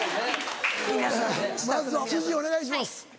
まずは辻お願いします。